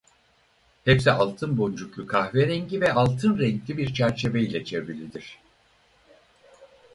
Hepsi altın boncuklu kahverengi ve altın renkli bir çerçeveyle çevrilidir.